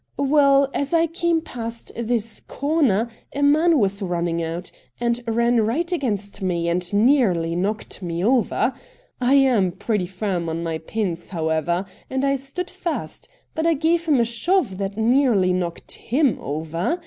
Well, as I came past this corner 124 RED DIAMONDS a man was running out, and ran right against me, and nearly knocked me over. I am pretty firm on my pins, however, and I stood fast, but I gave him a shove that nearly knocked him over.